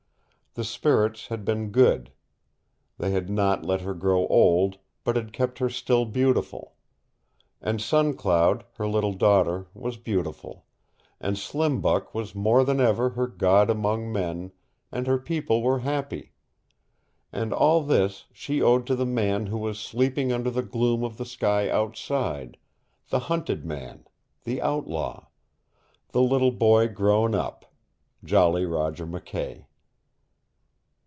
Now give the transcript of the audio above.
The spirits had been good. They had not let her grow old, but had kept her still beautiful. And Sun Cloud, her little daughter, was beautiful, and Slim Buck was more than ever her god among men, and her people were happy. And all this she owed to the man who was sleeping under the gloom of the sky outside, the hunted man, the outlaw, "the little boy grown up" Jolly Roger McKay.